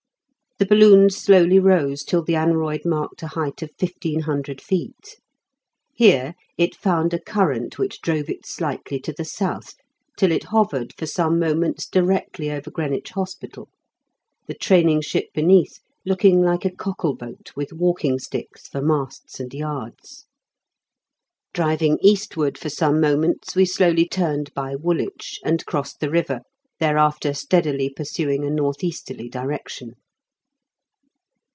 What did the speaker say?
The balloon slowly rose till the aneroid marked a height of fifteen hundred feet. Here it found a current which drove it slightly to the south, till it hovered for some moments directly over Greenwich Hospital, the training ship beneath looking like a cockle boat with walking sticks for masts and yards. Driving eastward for some moments, we slowly turned by Woolwich and crossed the river thereafter steadily pursuing a north easterly direction.